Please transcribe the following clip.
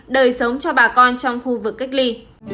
đời sống cho bà con trong khu vực cách ly